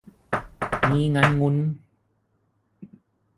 งี้งั้นงุ้น